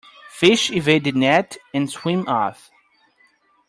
Fish evade the net and swim off.